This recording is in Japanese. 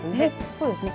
そうですね。